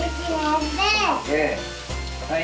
はい！